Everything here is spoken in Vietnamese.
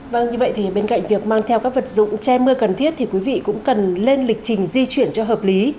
vâng như vậy thì bên cạnh việc mang theo các vật dụng che mưa cần thiết thì quý vị cũng cần lên lịch trình di chuyển cho hợp lý